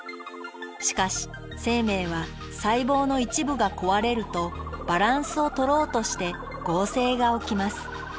しかし生命は細胞の一部が壊れるとバランスを取ろうとして合成が起きます。